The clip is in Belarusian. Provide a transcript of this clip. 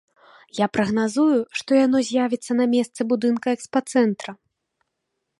Я прагназую, што яно з'явіцца на месцы будынка экспацэнтра.